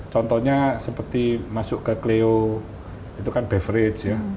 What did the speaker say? contohnya seperti masuk ke cleo itu kan beverage ya